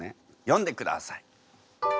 よんでください。